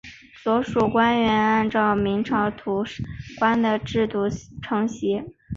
所属官员按照明朝土官的制度承袭。